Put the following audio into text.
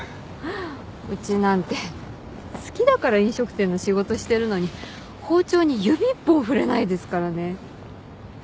うちなんて好きだから飲食店の仕事してるのに包丁に指一本触れないですからね。